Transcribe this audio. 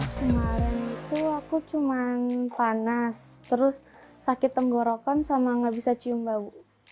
kemarin itu aku cuma panas terus sakit tenggorokan sama nggak bisa cium bau